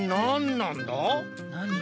なに？